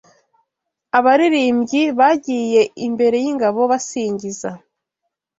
Abaririmbyi bagiye imbere y’ingabo basingiza